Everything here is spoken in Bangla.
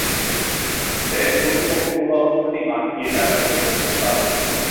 ব্যাংক কর্তৃপক্ষ কোনো অবস্থাতেই মাঠে গিয়ে টাকা বিতরণ করতে পারবে না।